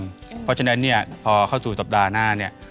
เพราะฉะนั้นเนี่ยพอเข้าสู่สัปดาห์หน้าเนี่ย